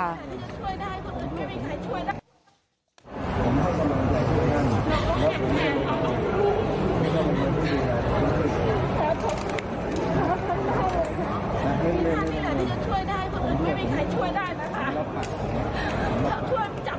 นี่แหละที่จะช่วยได้คนอื่นไม่มีใครช่วยได้นะคะ